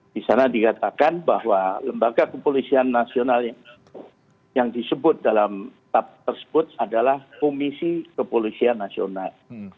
di sana dikatakan bahwa lembaga kepolisian nasional yang disebut dalam tap tersebut adalah komisi kepolisian nasional